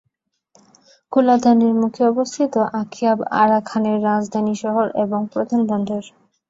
কোলাদানের মুখে অবস্থিত আকিয়াব আরাকানের রাজধানী শহর এবং প্রধান বন্দর।